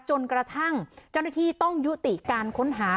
จนกระทั่งเจ้าหน้าที่ต้องยุติการค้นหา